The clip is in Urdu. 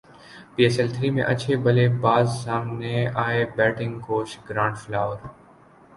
پی ایس ایل تھری میں اچھے بلے باز سامنے ائے بیٹنگ کوچ گرانٹ فلاور